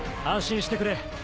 安心してくれ。